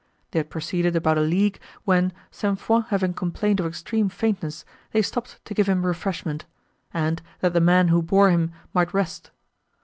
They had proceeded about a league, when, St. Foix having complained of extreme faintness, they stopped to give him refreshment, and, that the men, who bore him, might rest.